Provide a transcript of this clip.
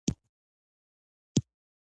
ژوند د يو هدف لپاره وي.